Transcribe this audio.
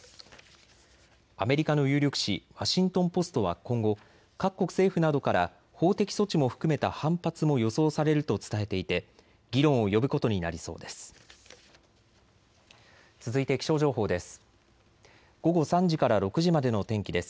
アメリカの有力紙、ワシントン・ポストは今後、各国政府などから法的措置も含めた反発も予想されると伝えていて議論を呼ぶことになりそうです。